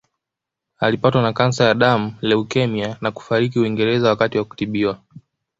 Alipatwa na kansa ya damu leukemia na kufariki Uingereza wakati wa kutibiwa